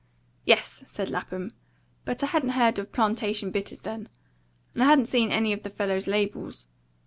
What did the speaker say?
"Yes," said Lapham, "but I hadn't heard of Plantation Bitters then, and I hadn't seen any of the fellow's labels.